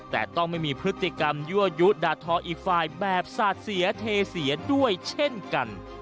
แต่ต้องไม่มีพฤติกรรมยั่วยุด่าทออีกฝ่ายแบบสาดเสียเทเสียด้วยเช่นกัน